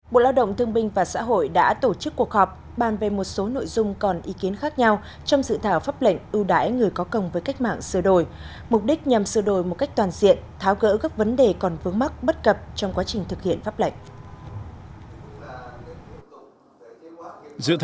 bộ lao động thương binh và xã hội đã tổ chức cuộc họp bàn về một số nội dung còn ý kiến khác nhau trong dự thảo pháp lệnh ưu đãi người có công với cách mạng sửa đổi mục đích nhằm sửa đổi một cách toàn diện tháo gỡ các vấn đề còn vướng mắc bất cập trong quá trình thực hiện pháp lệnh